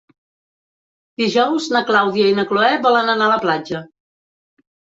Dijous na Clàudia i na Cloè volen anar a la platja.